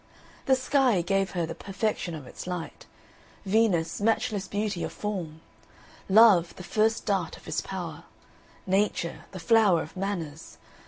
The Sky gave her the perfection of its light; Venus, matchless beauty of form; Love, the first dart of his power; Nature, the flower of manners.